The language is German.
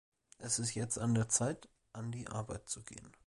Es ist jetzt an der Zeit, an die Arbeit zu gehen.